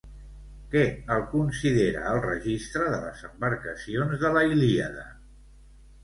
Què el considera el Registre de les embarcacions de la Ilíada?